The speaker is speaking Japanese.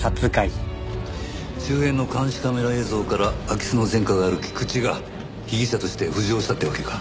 周辺の監視カメラ映像から空き巣の前科がある菊池が被疑者として浮上したってわけか。